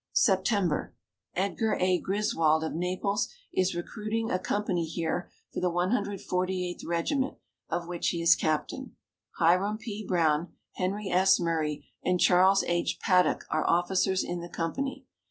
September. Edgar A. Griswold of Naples is recruiting a company here for the 148th Regiment, of which he is captain. Hiram P. Brown, Henry S. Murray and Charles H. Paddock are officers in the company.